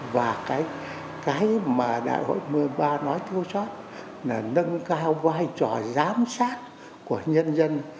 và cái mà đại hội một mươi ba nói thiếu sót là nâng cao vai trò giám sát của nhân dân